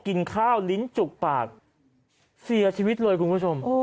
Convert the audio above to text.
กินข้าวลิ้นจุกปากเสียชีวิตเลยคุณผู้ชม